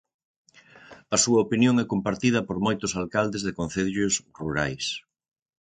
A súa opinión é compartida por moitos alcaldes de concellos rurais.